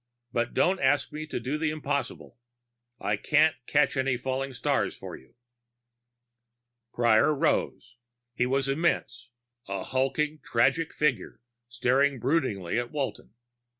But don't ask me to do the impossible. I can't catch any falling stars for you." Prior rose. He was immense, a hulking tragic figure staring broodingly at Walton.